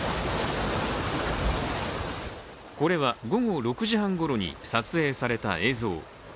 これは午後６時半ごろに撮影された映像。